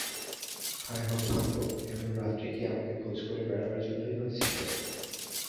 হায় হতভাগ্য, এমন রাত্রি কি আমাকে খোঁজ করে বেড়াবার জন্যই হয়েছিল?